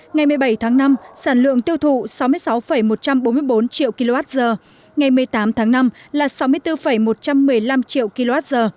ngày một mươi bảy tháng năm sản lượng tiêu thụ sáu mươi sáu một trăm bốn mươi bốn triệu kwh ngày một mươi tám tháng năm là sáu mươi bốn một trăm một mươi năm triệu kwh